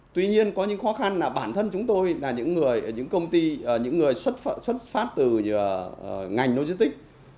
tuy nhiên có những khó khăn là bản thân chúng tôi là những người xuất phát từ ngành logistics